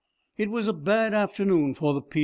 It was a bad afternoon that for the P.